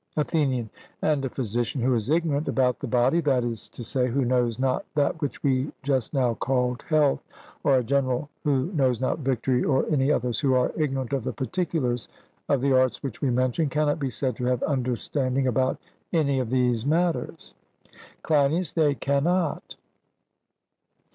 ATHENIAN: And a physician who is ignorant about the body, that is to say, who knows not that which we just now called health, or a general who knows not victory, or any others who are ignorant of the particulars of the arts which we mentioned, cannot be said to have understanding about any of these matters. CLEINIAS: They cannot.